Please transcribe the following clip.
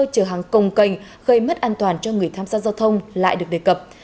chở hàng công canh gây mất an toàn cho người tham gia giao thông lại được đề cập